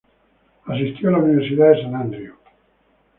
Asistió a la Universidad de Saint Andrews.